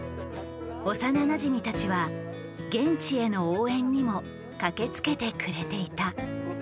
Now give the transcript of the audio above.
幼なじみたちは現地への応援にも駆けつけてくれていた。